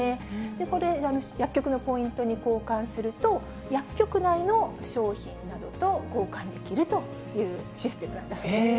これ、薬局のポイントに交換すると、薬局内の商品などと交換できるというシステムなんだそうです。